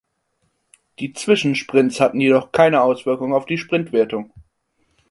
Die Zwischensprints hatten jedoch keine Auswirkung auf die Sprintwertung.